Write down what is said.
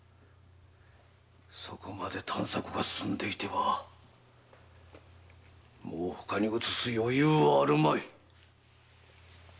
そこまで探索が進んでいてはもう他に移す余裕はあるまい。